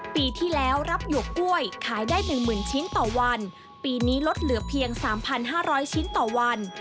ปีที่แล้วรับหยวกกล้วยขายได้๑๐๐๐ชิ้นต่อวันปีนี้ลดเหลือเพียง๓๕๐๐ชิ้นต่อวัน